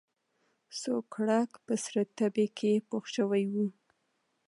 سوکړک په سره تبۍ کې پوخ شوی و.